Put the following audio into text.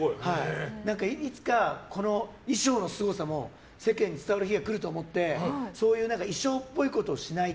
いつかこの衣装のすごさも世間に伝わる日が来ると思ってそういう衣装っぽいことをしない